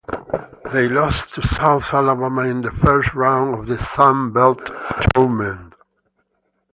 They lost to South Alabama in the first round of the Sun Belt Tournament.